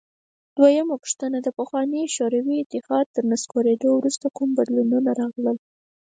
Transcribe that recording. دویمه پوښتنه: د پخواني شوروي اتحاد تر نسکورېدو وروسته کوم بدلونونه راغلل؟